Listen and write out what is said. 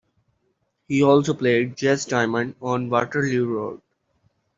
He also played Jez Diamond on Waterloo Road.